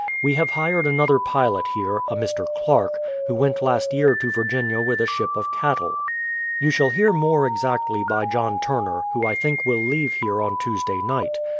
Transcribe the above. We have hired another pilot here, a Mr. Clark, who went last year to Virginia with a ship of cattle. You shall hear more exactly by John Turner, who I think will leave here on Tuesday night.